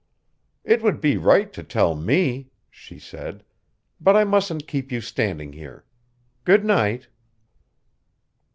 "It would be right to tell me," she said. "But I mustn't keep you standing here. Good night."